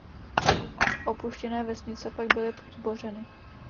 Opuštěné vesnice pak byly zbořeny.